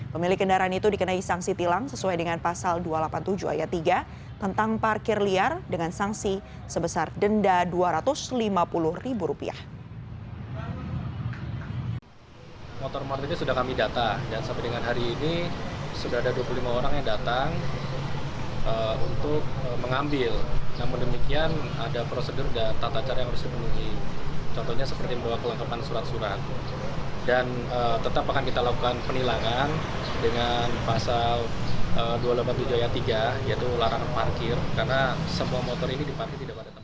pemilik sepeda motor yang ditinggalkan oleh polisi